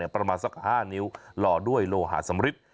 ประมาณสัก๕นิ้วหล่อด้วยโลหะสำริท